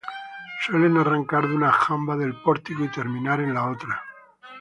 Suelen arrancar de una jamba del pórtico y terminar en la otra.